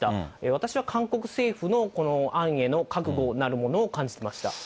私は韓国政府のこの案への覚悟なるものを感じてました。